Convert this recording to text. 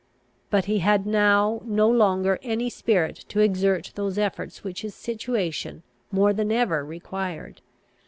But he had now no longer any spirit to exert those efforts which his situation more than ever required.